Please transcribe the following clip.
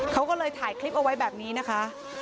เขาก็เลยถ่ายคลิปเอาไว้แบบนี้นะคะ